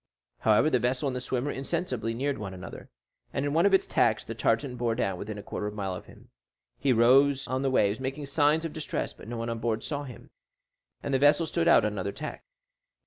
However, the vessel and the swimmer insensibly neared one another, and in one of its tacks the tartan bore down within a quarter of a mile of him. He rose on the waves, making signs of distress; but no one on board saw him, and the vessel stood on another tack.